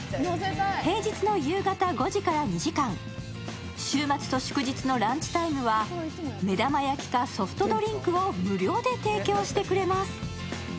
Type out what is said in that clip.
平日の夕方５時から２時間、週末と祝日のランチタイムは目玉焼きかソフトドリンクを無料で提供してくれます。